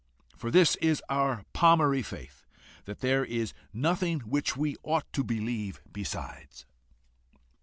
For this is our palmary faith, that there is nothing which we ought to believe besides."